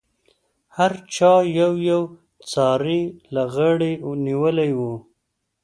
هر چا یو یو څاری له غاړې نیولی و.